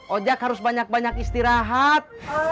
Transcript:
ojek harus banyak banyak istirahat